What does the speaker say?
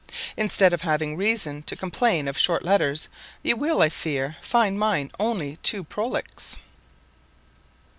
Instead of having reason to complain of short letters, you will, I fear, find mine only too prolix.